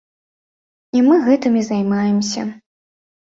І мы гэтым і займаемся.